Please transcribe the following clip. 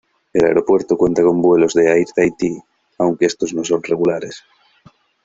El aeropuerto cuenta con vuelos de Air Tahití, aunque estos no son regulares.